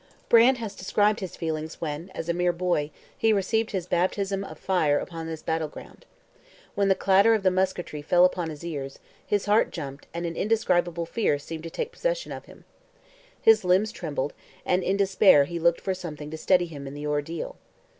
Brant has described his feelings when, as a mere boy, he received his baptism of fire upon this battle ground. When the clatter of the musketry fell upon his ears, his heart jumped and an indescribable fear seemed to take possession of him. His limbs trembled, and in despair he looked for something to steady him in the ordeal.